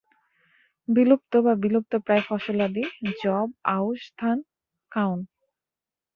বিলুপ্ত বা বিলুপ্তপ্রায় ফসলাদি যব, আউশ ধান, কাউন।